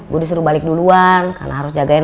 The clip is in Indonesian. gue disuruh balik duluan karena harus jagain